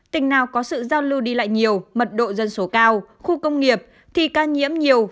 tỉnh nào có sự giao lưu đi lại nhiều mật độ dân số cao khu công nghiệp thì ca nhiễm nhiều